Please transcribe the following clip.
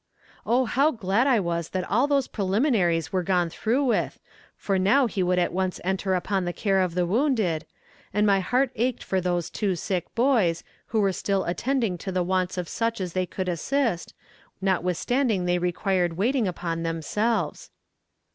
Oh how glad I was that all these preliminaries were gone through with, for now he would at once enter upon the care of the wounded, and my heart ached for those two sick boys, who were still attending to the wants of such as they could assist, notwithstanding they required waiting upon themselves.